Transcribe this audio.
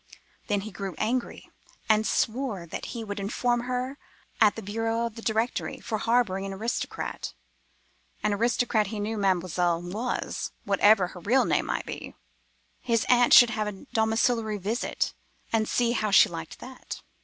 Then he grew angry, and swore that he would inform against her at the bureau of the Directory, for harbouring an aristocrat; an aristocrat he knew Mademoiselle was, whatever her real name might be. His aunt should have a domiciliary visit, and see how she liked that.